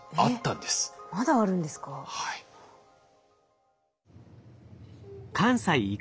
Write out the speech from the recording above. まだあるんですか？